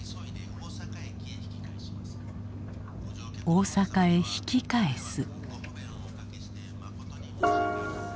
大阪へ引き返す。